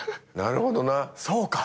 なるほどな。